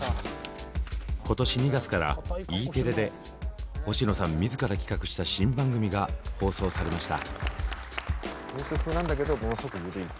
今年２月からＥテレで星野さん自ら企画した新番組が放送されました。